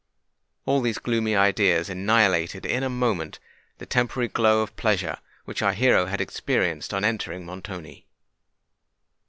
All these gloomy ideas annihilated in a moment the temporary glow of pleasure which our hero had experienced on entering Montoni.